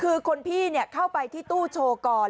คือคนพี่เข้าไปที่ตู้โชว์ก่อน